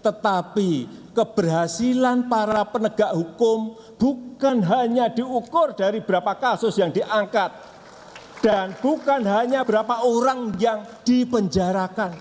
tetapi keberhasilan para penegak hukum bukan hanya diukur dari berapa kasus yang diangkat dan bukan hanya berapa orang yang dipenjarakan